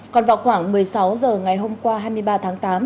còn vào khoảng một mươi sáu h ngày hôm qua hai mươi ba tháng tám